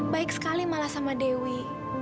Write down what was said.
baik sekali malah sama dewi